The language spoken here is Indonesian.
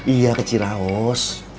iya kecil raus